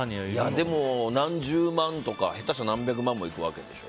でも、何十万とか下手したら何百万もいくわけでしょ。